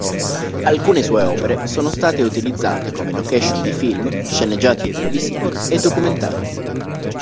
Alcune sue opere sono state utilizzate come location di film, sceneggiati televisivi e documentari.